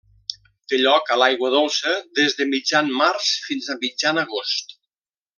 Té lloc a l'aigua dolça des de mitjan març fins a mitjan agost.